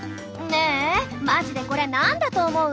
ねえマジでこれ何だと思う？